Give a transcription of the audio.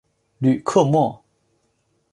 吕克莫。